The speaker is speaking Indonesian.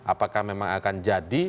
apakah memang akan jadi